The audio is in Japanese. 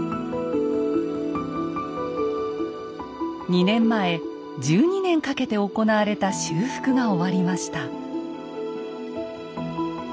２年前１２年かけて行われた修復が終わりました。